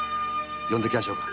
呼んできましょうか？